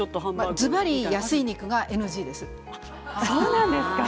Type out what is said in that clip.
ずばり安い肉がＮＧです。